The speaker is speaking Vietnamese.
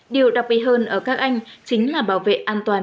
điều đặc biệt hơn ở các anh chính là bảo vệ an toàn cho du khách